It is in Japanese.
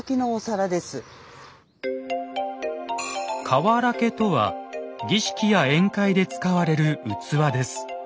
「かわらけ」とは儀式や宴会で使われる器です。